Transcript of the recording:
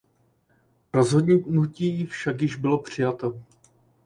Rozhodnutí však již bylo přijato.